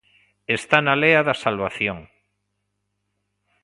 Está na lea da salvación.